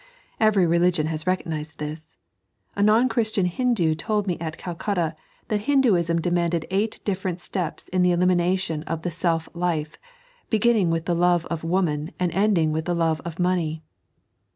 Every religion haa recognised this. A non Ghristifui Hindu told me at Calcutta that Hinduisni demanded eight different steps in the elimination of the self life, beginning with the love of woman and ending with the love of money.